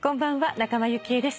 仲間由紀恵です。